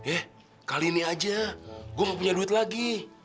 eh kali ini aja gue gak punya duit lagi